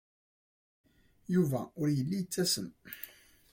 Yuba ur yelli yettasem.